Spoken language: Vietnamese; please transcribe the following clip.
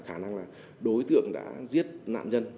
khả năng là đối tượng đã giết nạn nhân